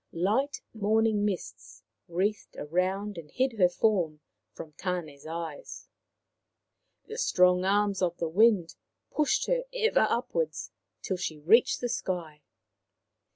Light morning mists wreathed round and hid her form from Tane's eyes ; the strong arms of the Wind pushed her ever upward till she reached the sky.